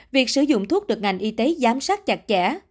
việc sử dụng thuốc được ngành y tế giám sát chặt chẽ